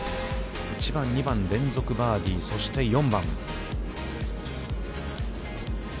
１番、２番、連続バーディー、そして、４番。